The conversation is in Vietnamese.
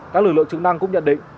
các lực lượng chức năng cũng nhận định